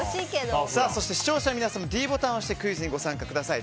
そして視聴者の皆さんもｄボタンを押してクイズにご参加ください。